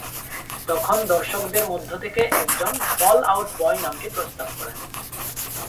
তখন দর্শকদের মধ্য থেকে একজন ‘ফল আউট বয়’ নামটি প্রস্তাব করেন।